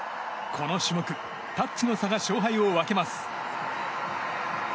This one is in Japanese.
この種目タッチの差が勝敗を分けます。